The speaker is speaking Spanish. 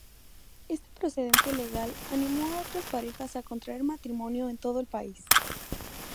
Este precedente legal animó a otras parejas a contraer matrimonio en todo el país.